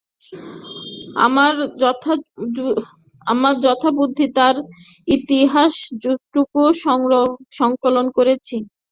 আমার যথাবুদ্ধি তার ইতিহাসটুকু সংকলন করেছি।